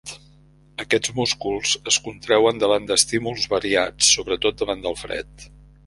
Aquests músculs es contreuen davant d'estímuls variats, sobretot davant del fred.